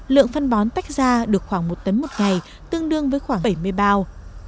lượng phân bón tách ra được khoảng một tấn một ngày tương đương với khoảng bảy mươi bao